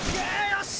よし！